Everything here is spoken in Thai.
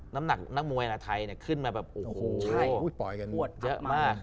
น้ำหนักนักมวยในไทยขึ้นมาแบบโอ้โหผวดเยอะมาก